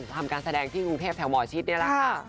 ทำการแสดงที่กรุงเทพแถวหมอชิดนี่แหละค่ะ